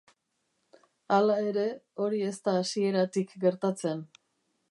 Hala ere, hori ez da hasieratik gertatzen.